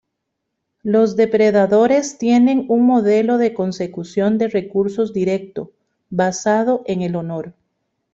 Los depredadores tienen un modelo de consecución de recursos directo, basado en el honor.